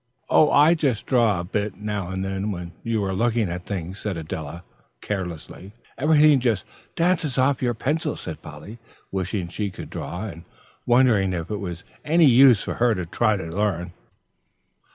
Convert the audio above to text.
"Oh, I just drew a bit now and then when you were looking at things," said Adela, carelessly. "Everything just dances off your pencil," said Polly, wishing she could draw, and wondering if it was any use for her to try to learn.